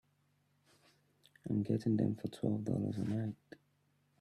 I'm getting them for twelve dollars a night.